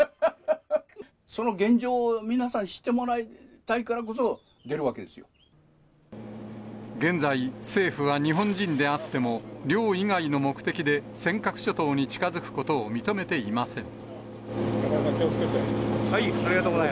その現状を皆さんに知ってもらい現在、政府は日本人であっても、漁以外の目的で尖閣諸島に近づくことを認めていません。